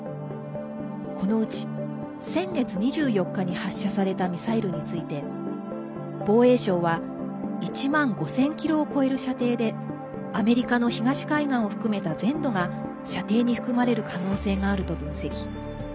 このうち、先月２４日に発射されたミサイルについて防衛省は１万５０００ｋｍを超える射程でアメリカの東海岸を含めた全土が射程に含まれる可能性があると分析。